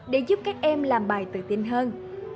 để giúp các em làm bài tự tin hơn